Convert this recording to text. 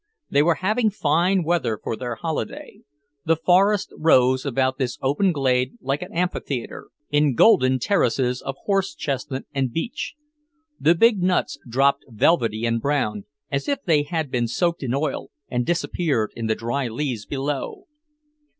They were having fine weather for their holiday. The forest rose about this open glade like an amphitheatre, in golden terraces of horse chestnut and beech. The big nuts dropped velvety and brown, as if they had been soaked in oil, and disappeared in the dry leaves below.